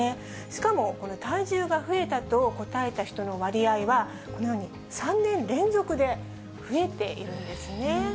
しかも、この体重が増えたと答えた人の割合は、このように３年連続で増えているんですね。